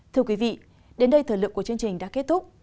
thưa quý vị đến đây thời lượng của chương trình đã kết thúc